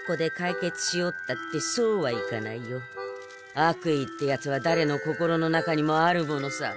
悪意ってやつはだれの心の中にもあるものさ。